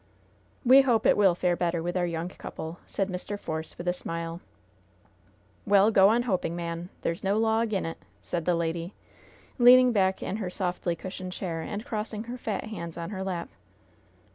"We hope it will fare better with our young couple," said Mr. Force, with a smile. "Well, go on hoping, man! There's no law agin' it!" said the lady, leaning back in her softly cushioned chair and crossing her fat hands on her lap.